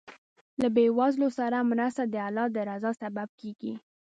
له بېوزلو سره مرسته د الله د رضا سبب کېږي.